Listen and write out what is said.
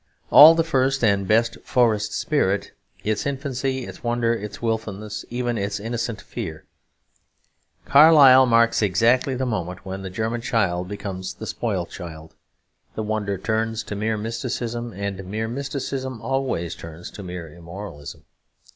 All the first and best forest spirit is infancy, its wonder, its wilfulness, even its still innocent fear. Carlyle marks exactly the moment when the German child becomes the spoilt child. The wonder turns to mere mysticism; and mere mysticism always turns to mere immoralism.